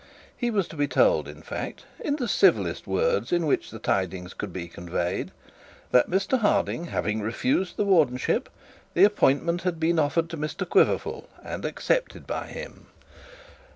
He was to be told in fact in the civilest words in which the tidings could be conveyed, that Mr Harding having refused the wardenship, the appointment had been offered to Mr Quiverful and accepted by him.